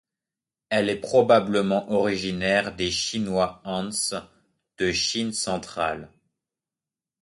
Elle est probablement originaire des Chinois Hans de Chine centrale.